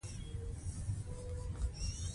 حسن تش د غوښو د رنګین تصویر نامه نۀ ده.